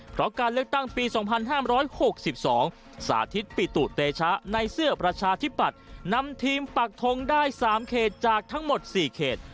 เพราะการเลือกตั้งปี๒๕๖๒สาธิตปิตุเตชะในเสื้อประชาธิปัตย์นำทีมปักทงได้๓เขตจากทั้งหมด๔เขต